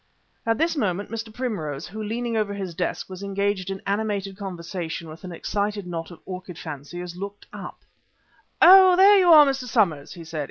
At this moment Mr. Primrose, who, leaning over his desk, was engaged in animated conversation with an excited knot of orchid fanciers, looked up: "Oh! there you are, Mr. Somers," he said.